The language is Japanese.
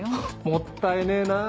もったいねえなぁ。